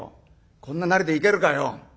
こんななりで行けるかよ。